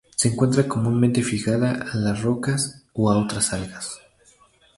Se encuentra comúnmente fijada a las rocas o a otras algas.